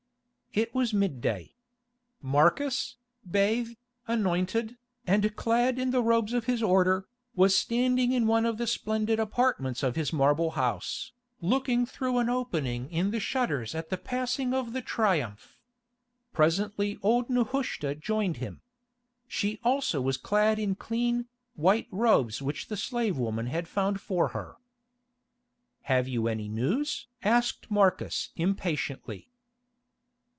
It was mid day. Marcus, bathed, anointed, and clad in the robes of his order, was standing in one of the splendid apartments of his marble house, looking through an opening in the shutters at the passing of the Triumph. Presently old Nehushta joined him. She also was clad in clean, white robes which the slave woman had found for her. "Have you any news?" asked Marcus impatiently.